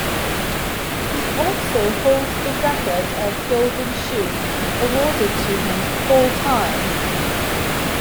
He also holds the record of Golden Shoe, awarded to him four times.